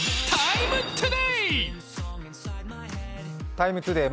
「ＴＩＭＥ，ＴＯＤＡＹ」